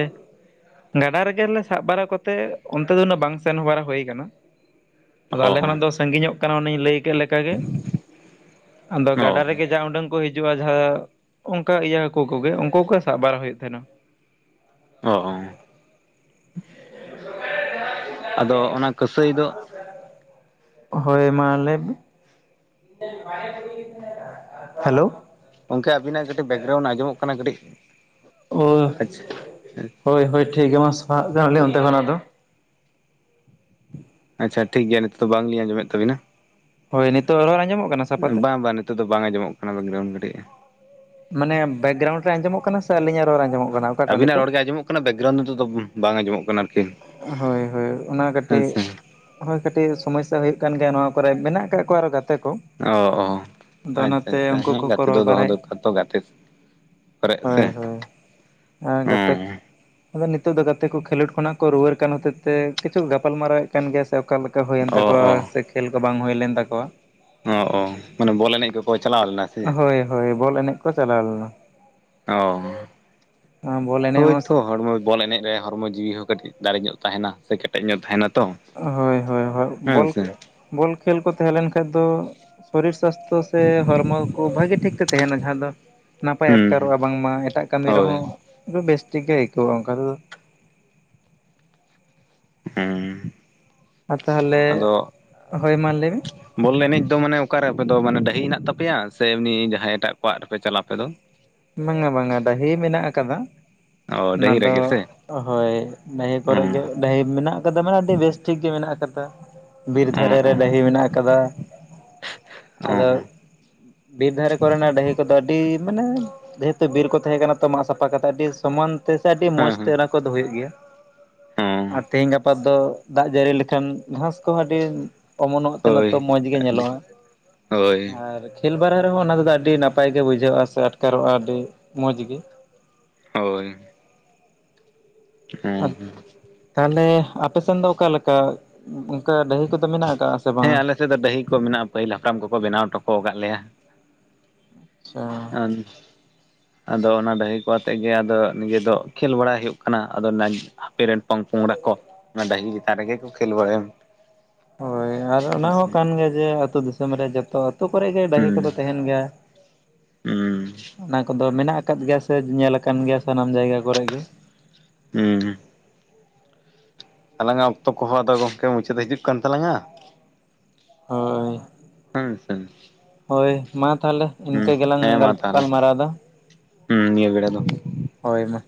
S1: ᱜᱟᱰᱟ ᱨᱮᱜᱮᱞᱮ ᱥᱟᱵ ᱵᱟᱲᱟ ᱠᱚᱛᱮ ᱚᱱᱛᱮ ᱫᱚ ᱩᱱᱟᱹᱜ ᱵᱟᱝ ᱥᱮᱱ ᱵᱟᱲᱟ ᱦᱩᱭ ᱟᱠᱟᱱᱟ᱾ ᱟᱫᱚ
S2: ᱚ
S1: ᱟᱞᱮ ᱠᱷᱚᱱᱟᱜ ᱫᱚ ᱥᱟᱺᱜᱤᱧᱚᱜ ᱠᱟᱱᱟ ᱚᱱᱮᱧ ᱞᱟᱹᱭ ᱠᱮᱫ ᱞᱮᱠᱟ ᱜᱮ᱾ ᱟᱸᱫᱚ
S2: ᱚ
S1: ᱜᱟᱰᱟ ᱨᱮᱜᱮ ᱡᱟ ᱩᱰᱟᱹᱝ ᱠᱚ ᱦᱤᱡᱩᱜᱼᱟ ᱡᱷᱟ ᱚᱱᱠᱟ ᱤᱭᱟᱹ ᱦᱟᱹᱠᱩ ᱠᱚᱜᱮ ᱩᱱᱠᱩ ᱠᱚᱜᱮ ᱥᱟᱵ ᱵᱟᱲᱟ ᱦᱩᱭᱩᱜ ᱛᱟᱦᱮᱱᱟ᱾
S2: ᱚᱸ ᱟᱫᱚ ᱚᱱᱟ ᱠᱟᱹᱥᱟᱹᱭ ᱫᱚ
S1: ᱦᱳᱭ ᱢᱟ ᱞᱟᱹᱭ ᱢᱮ᱾ [unintelligible] ᱦᱮᱞᱳ᱾
S2: ᱜᱚᱝᱠᱮ ᱟᱵᱤᱱᱟᱜ ᱠᱟᱹᱴᱤᱡ ᱵᱮᱠᱜᱨᱟᱣᱩᱱᱴ ᱟᱸᱡᱚᱢᱚᱜ ᱠᱟᱱᱟ ᱠᱟᱹᱴᱤᱡ᱾
S1: ᱚᱳ
S2: ᱟᱪᱪᱷᱟ
S1: ᱦᱳᱭ ᱦᱳᱭ ᱴᱷᱤᱠ ᱜᱮᱭᱟ ᱢᱟ ᱥᱟᱦᱟᱜ ᱠᱟᱱᱟᱞᱤᱧ ᱚᱱᱛᱮ ᱠᱷᱚᱱᱟᱜ ᱫᱚ᱾
S2: ᱟᱪᱪᱷᱟ ᱴᱷᱤᱠ ᱜᱮᱭᱟ ᱱᱤᱛᱚᱜ ᱫᱚ ᱵᱟᱝᱞᱤᱧ ᱟᱡᱚᱢᱮᱫ ᱛᱟᱵᱤᱱᱟ᱾
S1: ᱦᱳᱭ ᱱᱤᱛᱚᱜ ᱟᱨᱦᱚᱸ ᱦᱚᱲ ᱟᱸᱡᱚᱢᱚᱜ ᱠᱟᱱᱟ ᱥᱟᱯᱷᱟᱛᱮ᱾
S2: ᱟᱫᱚ ᱫᱚ ᱵᱟᱝ ᱟᱸᱡᱚᱢᱚᱜ ᱠᱟᱱᱟ ᱵᱮᱜᱨᱟᱣᱩᱱ ᱠᱟᱹᱴᱤᱡ᱾
S1: ᱢᱟᱱᱮ ᱵᱮᱠᱜᱨᱟᱣᱩᱱᱰ ᱨᱮ ᱟᱸᱡᱚᱢᱚᱜ ᱠᱟᱱᱟ ᱥᱮ ᱟᱹᱞᱤᱧᱟᱜ ᱨᱚᱲ ᱟᱸᱡᱚᱢᱚᱜ ᱠᱟᱱᱟ ᱚᱠᱟᱴᱟᱜ
S2: ᱟᱵᱤᱱᱟᱜ
S1: ᱱᱤᱛᱚᱜ
S2: ᱨᱚᱲᱜᱮ ᱟᱸᱡᱚᱢᱚᱜ ᱠᱟᱱᱟ ᱵᱮᱠᱜᱨᱟᱣᱩᱱᱰ ᱱᱤᱛ ᱫᱚ ᱵᱟᱝ ᱟᱸᱡᱚᱢᱚᱜ ᱠᱟᱱᱟ ᱟᱨᱠᱤ᱾
S1: ᱦᱳᱭ ᱦᱳᱭ ᱚᱱᱟ
S2: ᱦᱮᱸ
S1: ᱠᱟᱹᱴᱤᱜ,
S2: ᱥᱮ
S1: ᱦᱳᱭ ᱠᱟᱹᱴᱤᱡ ᱥᱚᱢᱚᱥᱥᱟ ᱦᱩᱭᱩᱜ ᱠᱟᱱ ᱜᱮᱭᱟ ᱱᱚᱣᱟ ᱠᱚᱨᱮ ᱢᱮᱱᱟᱜ ᱠᱟᱜ ᱠᱚᱣᱟ ᱟᱨᱠᱤ ᱜᱟᱛᱮ ᱠᱚ᱾
S2: ᱚ, ᱚ
S1: ᱟᱫᱚ
S2: ᱟᱪᱪᱷᱟ
S1: ᱚᱱᱟᱛᱮ
S2: ᱟᱪᱪᱷᱟ
S1: ᱩᱱᱠᱩ
S2: ᱦᱮᱸ
S1: ᱠᱚᱠᱚ
S2: ᱜᱟᱛᱮ ᱫᱚ
S1: ᱨᱚᱲ
S2: ᱫᱚᱦᱚ
S1: ᱵᱟᱲᱟᱭᱮᱫ
S2: ᱫᱚᱨᱠᱟᱨ ᱛᱚ ᱜᱟᱛᱮ ᱯᱮᱨᱮᱡ ᱥᱮ
S1: ᱟᱸ ᱜᱟᱛᱮ
S2: ᱦᱮᱸ
S1: ᱟᱫᱚ ᱱᱤᱛᱚᱜ ᱫᱚ ᱜᱟᱛᱮ ᱠᱚ ᱠᱷᱮᱞᱳᱰ ᱠᱷᱚᱱᱟᱜ ᱠᱚ ᱨᱩᱣᱟᱹᱲ ᱠᱟᱱᱟ ᱥᱮᱪᱮ ᱠᱤᱪᱷᱩ ᱜᱟᱯᱟᱞ ᱢᱟᱨᱟᱣ ᱮ ᱠᱟᱱ ᱜᱮᱭᱟ ᱥᱮ ᱚᱠᱟᱞᱮᱠᱟ ᱦᱩᱭᱮᱱ
S2: ᱚ
S1: ᱛᱟᱠᱚᱣᱟ
S2: ᱚ
S1: ᱥᱮ ᱠᱷᱮᱞ ᱠᱚ ᱵᱟᱝ ᱦᱩᱭᱞᱮᱱ ᱛᱟᱠᱚᱣᱟ
S2: ᱦᱚᱸ ᱚ ᱢᱟᱱᱮ ᱵᱚᱞ ᱮᱱᱮᱡ ᱠᱚ ᱦᱳᱭ ᱪᱟᱞᱟᱣ ᱞᱮᱱᱟ ᱥᱮ ᱪᱮᱫ?
S1: ᱦᱳᱭ ᱦᱳᱭ ᱵᱚᱞ ᱮᱱᱮᱡ ᱠᱚ ᱪᱟᱞᱟᱣ ᱞᱮᱱᱟ
S2: ᱚ
S1: ᱵᱚᱞ ᱮᱱᱮᱡ ᱦᱚᱸ
S2: ᱦᱳᱭᱛᱚ ᱦᱚᱲᱢᱚ ᱵᱚᱞ ᱮᱱᱮᱡ ᱨᱮ ᱦᱚᱨᱢᱚ ᱡᱤᱣᱤ ᱦᱚᱸ ᱠᱟᱹᱴᱤᱡ ᱫᱟᱲᱮ ᱧᱚᱜ ᱛᱟᱦᱮᱱᱟ ᱥᱮ ᱠᱮᱴᱮᱡ ᱧᱚᱜ ᱛᱟᱦᱮᱱᱟ ᱛᱚ
S1: ᱦᱳᱭ ᱦᱳᱭ ᱦᱚ
S2: ᱦᱮᱸ
S1: ᱵᱚᱞ
S2: ᱥᱮ
S1: ᱵᱚᱞ ᱠᱷᱮᱞ ᱠᱚ ᱛᱟᱦᱮᱸ ᱞᱮᱱ ᱠᱷᱟᱱ ᱫᱚ ᱥᱚᱨᱤᱨ ᱥᱟᱥᱛᱷᱚ ᱥᱮ ᱦᱚᱲᱢᱚ ᱠᱚ ᱵᱷᱟᱜᱤ ᱴᱷᱤᱠ ᱛᱮ ᱛᱟᱦᱮᱱᱟ ᱡᱟᱦᱟᱸ ᱫᱚ ᱱᱟᱯᱟᱭ
S2: ᱦᱩᱸ
S1: ᱟᱴᱠᱟᱨᱚᱜᱼᱟ ᱵᱟᱝᱢᱟ ᱮᱴᱟᱜ ᱠᱟᱹᱢᱤ
S2: ᱦᱳᱭ
S1: ᱨᱮᱦᱚᱸ ᱵᱮᱥᱴᱷᱤᱠ ᱜᱮ ᱟᱹᱭᱠᱟᱹᱣᱟ ᱚᱱᱠᱟ ᱫᱚ
S2: ᱦᱮᱸ
S1: ᱟᱨ ᱛᱟᱦᱚᱞᱮ ᱦᱳᱭ ᱢᱟ ᱞᱟᱹᱭ ᱢᱮ
S2: ᱵᱚᱞ ᱮᱱᱮᱡ ᱫᱚ ᱢᱟᱱᱮ ᱚᱠᱟᱨᱮ ᱟᱯᱮ ᱫᱚ ᱢᱟᱱᱮ ᱰᱟᱹᱦᱤ ᱦᱮᱱᱟᱜ ᱛᱟᱯᱮᱭᱟ ᱥᱮ ᱮᱢᱱᱤ ᱡᱟᱦᱟᱸᱭ ᱮᱴᱟᱜ ᱠᱚᱣᱟᱜ ᱨᱮᱯᱮ ᱪᱟᱞᱟᱜ ᱟᱯᱮ ᱫᱚ
S1: ᱵᱟᱝ-ᱟ ᱵᱟᱝ-ᱟ ᱰᱟᱹᱦᱤ ᱢᱮᱱᱟᱜ ᱟᱠᱟᱫᱟ
S2: ᱚ
S1: ᱚᱱᱟ
S2: ᱰᱟᱹᱦᱤ
S1: ᱫᱚ
S2: ᱨᱮᱜᱮ ᱥᱮ
S1: ᱦᱳᱭ ᱰᱟᱹᱦᱤ ᱠᱚᱨᱮ ᱜᱮ
S2: ᱚ
S1: ᱰᱟᱹᱦᱤ ᱢᱮᱱᱟᱜ ᱟᱠᱟᱫᱟ ᱢᱟᱱᱮ ᱟᱹᱰᱤ ᱵᱮᱥ ᱴᱷᱤᱠ ᱜᱮ ᱢᱮᱱᱟᱜ ᱟᱠᱟᱫᱟ ᱵᱤᱨ
S2: ᱚ
S1: ᱫᱷᱟᱨᱮ ᱨᱮ
S2: ᱚ
S1: ᱰᱟᱹᱦᱤ ᱢᱮᱱᱟᱜ ᱟᱠᱟᱫᱟ
S2: ᱚ ᱦᱮᱸ
S1: ᱟᱫᱚ ᱵᱤᱨ ᱫᱷᱟᱨᱮ ᱠᱚᱨᱮᱱᱟᱜ ᱰᱟᱹᱦᱤ ᱠᱚᱫᱚ ᱟᱹᱰᱤ ᱢᱟᱱᱮ ᱡᱮᱦᱮᱛᱩ ᱵᱤᱨ ᱠᱚ ᱛᱟᱦᱮᱸ ᱠᱟᱱᱟ ᱛᱚ ᱢᱟᱜ ᱥᱟᱯᱷᱟ ᱠᱟᱛᱮᱜ ᱟᱹᱰᱤ ᱥᱚᱢᱟᱱ ᱛᱮ ᱥᱮ ᱟᱹᱰᱤ ᱢᱚᱸᱡᱽ ᱛᱮ ᱚᱱᱟ ᱠᱚᱫᱚ ᱦᱩᱭᱩᱜ ᱜᱮᱭᱟ ᱟᱨ
S2: ᱦᱮᱸ ᱚ
S1: ᱛᱮᱦᱤᱧ ᱜᱟᱯᱟ ᱫᱚ ᱫᱟᱜ ᱡᱟᱹᱲᱤ ᱞᱮᱠᱷᱟᱱ ᱜᱷᱟᱸᱥ ᱠᱚᱦᱚᱸ ᱟᱹᱰᱤ ᱚᱢᱚᱱᱚᱜ ᱛᱮᱜ ᱱᱮᱛᱚ
S2: ᱦᱳᱭ
S1: ᱢᱚᱡᱽ ᱜᱮ
S2: ᱟᱹᱰᱤ
S1: ᱧᱮᱞᱚᱜᱼᱟ
S2: ᱦᱳᱭ
S1: ᱟᱨ ᱠᱷᱮᱞ ᱵᱟᱨᱟ ᱨᱮᱦᱚᱸ ᱚᱱᱟᱫᱚ ᱟᱹᱰᱤ ᱱᱟᱯᱟᱭ ᱜᱮ ᱵᱩᱡᱷᱟᱹᱜᱼᱟ ᱥᱮ ᱟᱴᱠᱟᱨᱚᱜᱼᱟ ᱟᱹᱰᱤ ᱢᱚᱡᱽ ᱜᱮ
S2: ᱦᱳᱭ ᱦᱩᱸ
S1: ᱛᱟᱦᱚᱞᱮ ᱟᱯᱮᱥᱮᱱ ᱫᱚ ᱚᱠᱟᱞᱮᱠᱟ ᱚᱱᱠᱟ ᱰᱟᱹᱦᱤ ᱠᱚᱫᱚ ᱢᱮᱱᱟᱜ ᱟᱠᱟᱜ ᱟᱥᱮ ᱵᱟᱝ-ᱟ
S2: ᱱᱮᱛᱮ ᱫᱚ ᱰᱟᱹᱦᱤ ᱠᱚ ᱢᱮᱱᱟᱜᱼᱟ ᱯᱟᱹᱦᱤᱞ ᱦᱟᱯᱲᱟᱢ ᱠᱚᱠᱚ ᱵᱮᱱᱟᱣ ᱴᱚᱠᱚ ᱠᱟᱜ ᱞᱮᱭᱟ
S1: ᱟᱪᱪᱷᱟ
S2: [unintelligible] ᱟᱫᱚ ᱚᱱᱟ ᱰᱟᱹᱦᱤ ᱠᱚ ᱟᱛᱮᱜ ᱜᱮ ᱟᱫᱚ ᱱᱤᱡᱮ ᱫᱚ ᱠᱷᱮᱞ ᱵᱟᱲᱟ ᱦᱩᱭᱩᱜ ᱠᱟᱱᱟ ᱟᱫᱚ ᱦᱟᱯᱮ ᱨᱮᱱ ᱯᱚᱝᱼᱯᱚᱝᱜᱲᱟ ᱠᱚ᱾ ᱚᱱᱟ ᱰᱟᱦᱤ ᱪᱮᱛᱟᱱ ᱨᱮᱜᱮ ᱠᱚ ᱠᱷᱮᱞ ᱵᱟᱲᱟᱭᱟ᱾
S1: ᱦᱳᱭ ᱟᱨ ᱚᱱᱟ
S2: ᱦᱮᱸ
S1: ᱦᱚᱸ ᱠᱟᱱ ᱜᱮᱭᱟ ᱡᱮ ᱟᱹᱛᱳ ᱫᱤᱥᱚᱢ ᱨᱮ ᱡᱚᱛᱚ᱾ ᱡᱚᱛ ᱠᱚᱨᱮ ᱜᱮ ᱰᱟᱹᱦᱤ
S2: ᱦᱩᱸ
S1: ᱠᱚᱫᱚ ᱛᱟᱦᱮᱱ ᱜᱮᱭᱟ ᱚᱱᱟ ᱠᱚᱫᱚ ᱢᱮᱱᱟᱜ ᱟᱠᱟᱫ ᱜᱮᱭᱟ᱾ ᱥᱮ ᱧᱮᱞ ᱟᱠᱟᱱ ᱜᱮᱭᱟ ᱥᱟᱱᱟᱢ ᱡᱟᱭᱜᱟ ᱠᱚᱨᱮ ᱜᱮ᱾
S2: ᱦᱩᱸ ᱦᱩᱸ᱾ ᱟᱞᱟᱝᱟᱜ ᱚᱠᱛᱚ ᱠᱚᱦᱚᱸ ᱟᱫᱚ ᱜᱚᱢᱠᱮ ᱢᱩᱪᱟᱹᱫ ᱦᱤᱡᱩᱜ ᱠᱟᱱ ᱛᱟᱞᱟᱝᱼᱟ᱾
S1: ᱦᱳᱭ᱾
S2: ᱦᱮᱸ ᱥᱮᱸ᱾
S1: ᱦᱳᱭ ᱢᱟ ᱛᱟᱦᱚᱞᱮ ᱤᱱᱠᱟᱹ ᱜᱮᱞᱟᱝ ᱜᱟᱯᱟᱞ, ᱢᱟᱨᱟᱣ ᱫᱟ
S2: ᱦᱩᱸ ᱱᱤᱭᱟᱹ ᱵᱮᱲᱟ ᱫᱚ
S1: ᱦᱳᱭ ᱢᱟ᱾